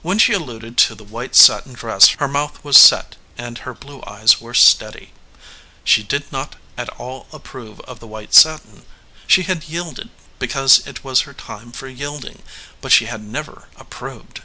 When she alluded to the white satin dress her mouth was set and her blue eyes were steady. She did not at all approve of the white satin. She had yielded because it was her time for yielding, but she had never approved.